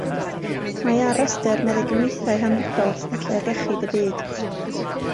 Mae ar Restr Meddyginiaethau Hanfodol Sefydliad Iechyd y Byd.